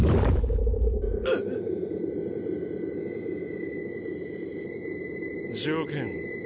うっ⁉条件